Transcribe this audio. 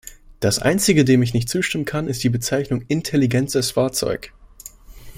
Das Einzige, dem ich nicht zustimmen kann, ist die Bezeichnung "intelligentes Fahrzeug".